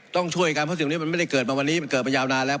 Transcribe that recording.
ต้องช่วยกันเพราะสิ่งนี้มันไม่ได้เกิดมาวันนี้มันเกิดมายาวนานแล้ว